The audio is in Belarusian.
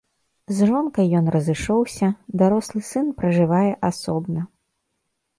З жонкай ён разышоўся, дарослы сын пражывае асобна.